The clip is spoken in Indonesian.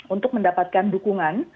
untuk mendapatkan dukungan